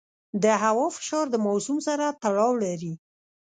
د هوا فشار د موسم سره تړاو لري.